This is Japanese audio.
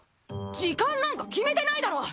時間なんか決めてないだろ！